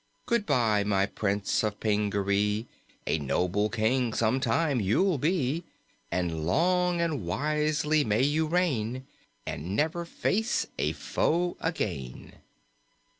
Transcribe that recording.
"Good bye, my Prince of Pingaree; A noble King some time you'll be And long and wisely may you reign And never face a foe again!"